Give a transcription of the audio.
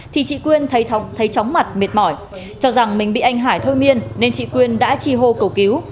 thì chị quyên thấy chóng mặt mệt mỏi cho rằng mình bị anh hải thơ miên nên chị quyên đã chi hô cầu cứu